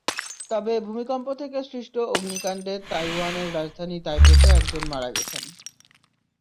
তবে ভূমিকম্প থেকে সৃষ্ট অগ্নিকাণ্ডে তাইওয়ানের রাজধানী তাইপেতে একজন মারা গেছেন।